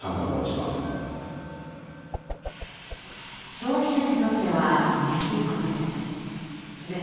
消費者にとってはうれしいことです。